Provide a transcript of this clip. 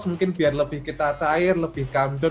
mungkin biar lebih kita cair lebih gamdul